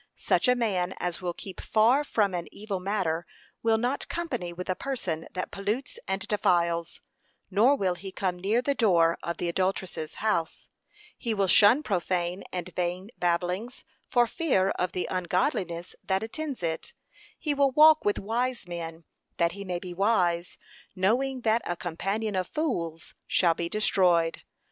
Such a man as will keep far from an evil matter will not company with a person that pollutes and defiles, nor will he come near the door of the adulteress's house; he will shun profane and vain babbling, for fear of the ungodliness that attends it; he will walk with wise men that he may be wise, knowing that 'a companion of fools shall be destroyed.'